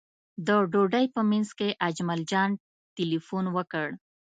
د ډوډۍ په منځ کې اجمل جان تیلفون وکړ.